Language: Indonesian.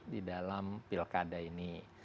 di dalam pilkada ini